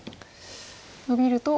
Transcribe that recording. ノビると。